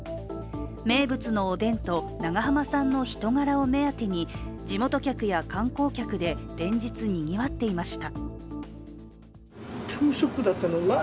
名物のおでんと、長濱さんの人柄を目当てに地元客や観光客で連日にぎわっていました。